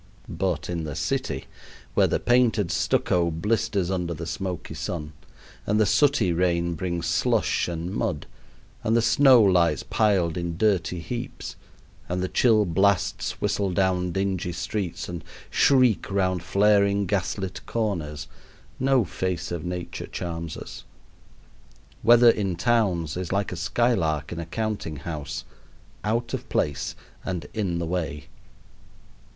But in the city where the painted stucco blisters under the smoky sun, and the sooty rain brings slush and mud, and the snow lies piled in dirty heaps, and the chill blasts whistle down dingy streets and shriek round flaring gas lit corners, no face of Nature charms us. Weather in towns is like a skylark in a counting house out of place and in the way.